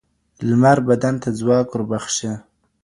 لمر بدن ته ځواک وربښي.